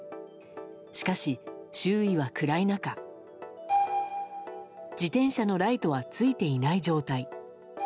しかし、周囲は暗い中自転車のライトはついていない状態。